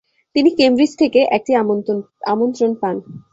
তিনি কেমব্রিজ থেকে একটি আমন্ত্রণ পান।